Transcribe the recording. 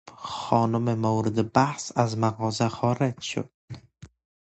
خانم مورد بحث از مغازه خارج شد.